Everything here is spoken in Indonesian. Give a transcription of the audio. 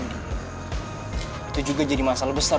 itu juga jadi masalah besar